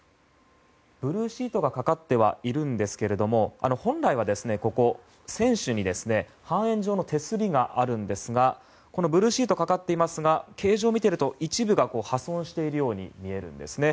ブルーシートがかかっているんですが、本来は船首に半円状の手すりがあるんですがブルーシートがかかっていますが形状を見てみると一部が破損しているように見えるんですね。